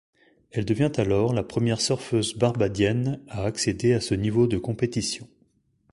Elle devient alors la première surfeuse barbadienne à accéder à ce niveau de compétition.